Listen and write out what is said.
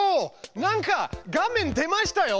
なんか画面出ましたよ。